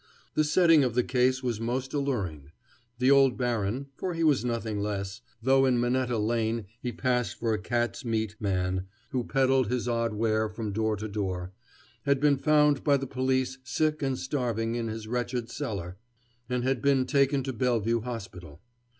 The setting of the case was most alluring. The old baron for he was nothing less, though in Minetta Lane he passed for a cat's meat man who peddled his odd ware from door to door had been found by the police sick and starving in his wretched cellar, and had been taken to Bellevue Hospital.